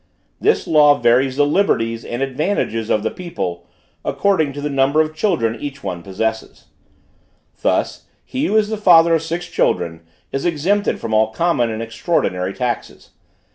This law varies the liberties and advantages of the people according to the number of children each one possesses. Thus, he who is the father of six children is exempted from all common and extraordinary taxes.